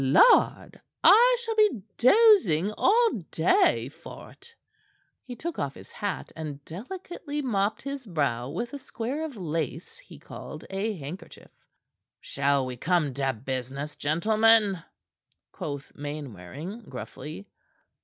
Lard! I shall be dozing all day for't!" He took off his hat and delicately mopped his brow with a square of lace he called a handkerchief. "Shall we come to business, gentlemen?" quoth Mainwaring gruffly.